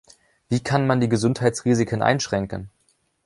Wie kann man die Gesundheitsrisiken einschränken?